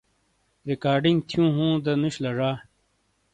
ریکارڈنگ تِھیوں ہوں دا نُش لا زا؟